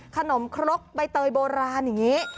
ครกใบเตยโบราณอย่างนี้